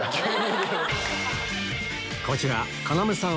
こちら要さん